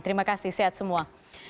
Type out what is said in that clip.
terima kasih sehat semua